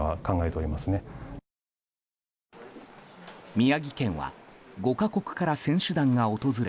宮城県は５か国から選手団が訪れ